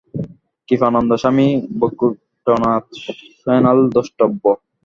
কৃপানন্দ, স্বামী বৈকুণ্ঠনাথ সান্যাল দ্রষ্টব্য।